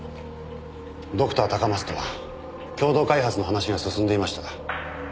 ドクター高松とは共同開発の話が進んでいました。